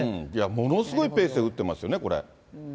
ものすごいペースで打ってますよね、これ。